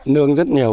nương rất nhiều